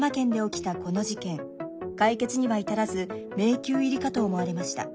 解決には至らず迷宮入りかと思われました。